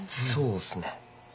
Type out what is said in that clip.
そうっすね。